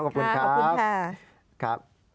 ขอบคุณครับครับค่ะขอบคุณค่ะ